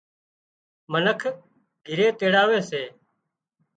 منک گھِري تيڙاوي سي